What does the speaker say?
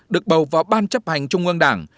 được bầu vào ban chấp hành trung ương đảng